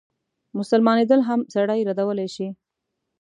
مسلمانېدل هم سړی ردولای شي.